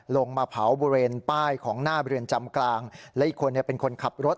ลงมาเผาบริเวณป้ายของหน้าเรือนจำกลางและอีกคนเป็นคนขับรถ